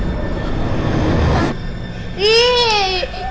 aduh terbirnya pecah